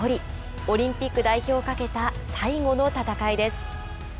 オリンピック代表をかけた最後の戦いです。